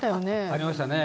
ありましたね